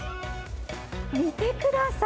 見てください、